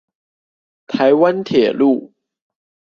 臺灣鐵路